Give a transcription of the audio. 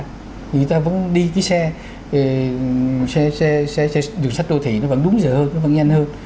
người ta vẫn đi cái xe đường sắt đô thị nó vẫn đúng giờ hơn nó vẫn nhanh hơn